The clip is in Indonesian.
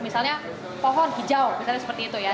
misalnya pohon hijau misalnya seperti itu ya